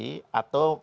atau masih mau membuka